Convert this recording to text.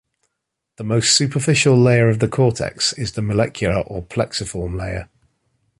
The most superficial layer of the cortex is the molecular or plexiform layer.